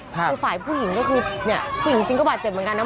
คือฝ่ายผู้หญิงก็คือเนี่ยผู้หญิงจริงก็บาดเจ็บเหมือนกันนะ